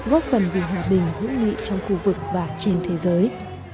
góp phần vì hòa bình hữu nghị trong khu vực và trên thế giới